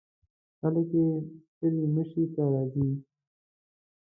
خلک یې ستړي مشي ته راځي.